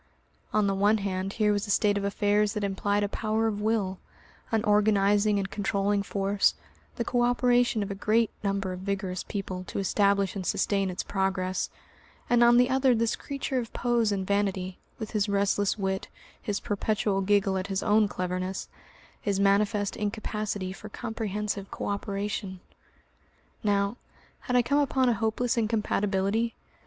On the one hand here was a state of affairs that implied a power of will, an organising and controlling force, the co operation of a great number of vigorous people to establish and sustain its progress, and on the other this creature of pose and vanity, with his restless wit, his perpetual giggle at his own cleverness, his manifest incapacity for comprehensive co operation. Now, had I come upon a hopeless incompatibility?